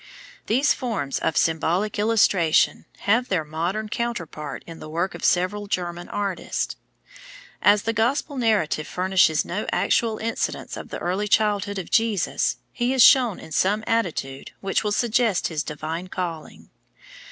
These forms of symbolic illustration have their modern counterpart in the work of several German artists. As the Gospel narrative furnishes no actual incidents of the early childhood of Jesus, he is shown in some attitude which will suggest his divine calling.